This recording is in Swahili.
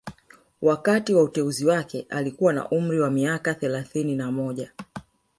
Wakati wa uteuzi wake alikuwa na umri wa miaka thelathini na moja